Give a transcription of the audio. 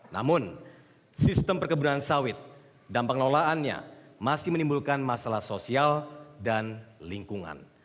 namun sistem perkebunan sawit dan pengelolaannya masih menimbulkan masalah sosial dan lingkungan